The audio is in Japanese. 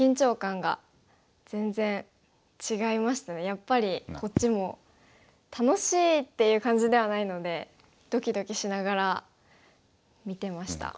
やっぱりこっちも楽しいっていう感じではないのでドキドキしながら見てました。